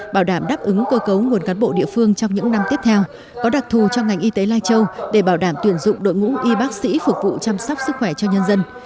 bảo đảm đáp ứng cơ cấu nguồn cán bộ địa phương trong những năm tiếp theo có đặc thù cho ngành y tế lai châu để bảo đảm tuyển dụng đội ngũ y bác sĩ phục vụ chăm sóc sức khỏe cho nhân dân